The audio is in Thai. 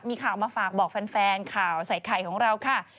มีข่าวมาฝากบอกแฟนข่าวใส่ไข่ของเราค่ะ